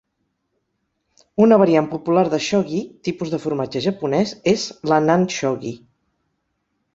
Una variant popular de "shogi" (tipus de formatge japonès) és l'Annan shogi.